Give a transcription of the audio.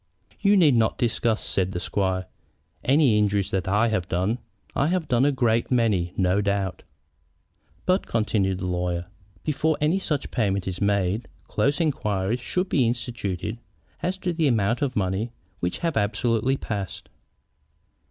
"You need not discuss," said the squire, "any injuries that I have done. I have done a great many, no doubt." "But," continued the lawyer, "before any such payment is made, close inquiries should be instituted as to the amounts of money which have absolutely passed."